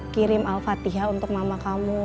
kirim al fatihah untuk mama kamu